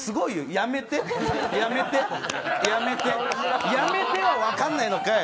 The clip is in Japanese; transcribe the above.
やめて、やめて、やめては分かんないのかい！